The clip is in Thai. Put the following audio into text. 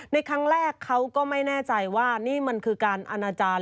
ในครั้งแรกเขาก็ไม่แน่ใจว่านี่มันคือการอนาจารย์